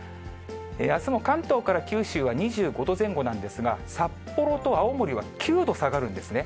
あすも関東から九州は２５度前後なんですが、札幌と青森は９度下がるんですね。